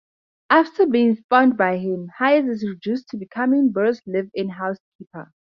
After being spurned by him, Hayes is reduced to becoming Burr's live-in housekeeper.